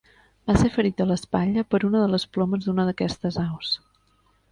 Va ser ferit a l'espatlla per una de les plomes d'una d'aquestes aus.